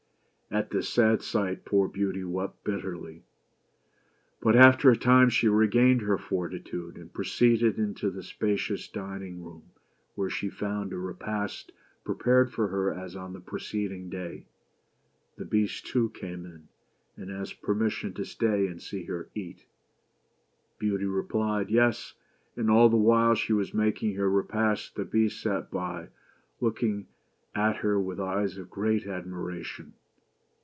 At this sad sight poor Beauty wept bitterly, but after a time she regained her fortitude, and pro ceeded into the spacious dining room, where she found a repast prepared for her as on the preceding day. The Beast, too, came in, and asked permission to stay and see her eat. Beauty replied "Yes," and all the while she was making her repast the Beast sat by, looking at her with eyes of great ad miration.